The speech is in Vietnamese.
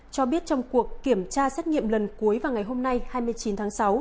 cho biết trong cuộc kiểm tra xét nghiệm lần cuối vào ngày hôm nay hai mươi chín tháng sáu